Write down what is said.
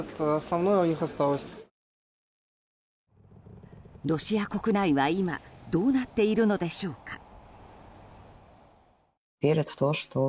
ロシア国内は今どうなっているのでしょうか。